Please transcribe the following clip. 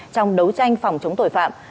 trong đấu tranh phòng chống tội phạm